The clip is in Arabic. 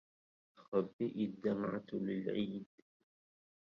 خبئي الدمعة للعيد